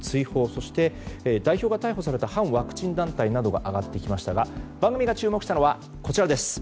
そして、代表が逮捕された反ワクチン団体などが挙がってきましたが番組が注目したのは、こちら。